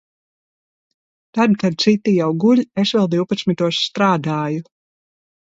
Tad, kad citi jau guļ, es vēl divpadsmitos strādāju.